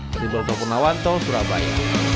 dari berbapakunawanto surabaya